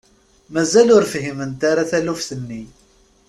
Mazal ur fhiment ara taluft-nni.